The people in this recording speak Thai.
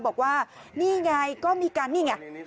บอกว่านี่ไงก็มีการนี่ไง